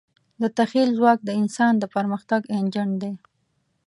د تخیل ځواک د انسان د پرمختګ انجن دی.